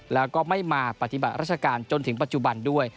แล้วก็ไม่มาปฏิบัติราชการจนถึงปัจจุบันด้วย